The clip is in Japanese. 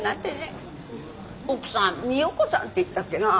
奥さん美代子さんっていったっけなあ？